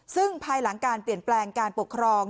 ซึ่งภายหลังการเปลี่ยนแปลงการปกครอง